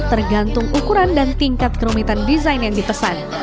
tergantung ukuran dan tingkat kerumitan desain yang dipesan